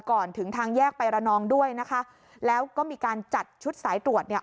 ก่อนถึงทางแยกไประนองด้วยนะคะแล้วก็มีการจัดชุดสายตรวจเนี่ย